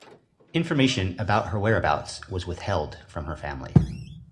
Information about her whereabouts was withheld from her family.